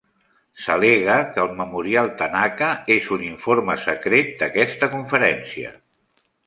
S'al·lega que el Memorial Tanaka és un informe secret d'aquesta conferència.